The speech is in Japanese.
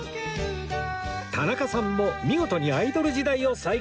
田中さんも見事にアイドル時代を再現！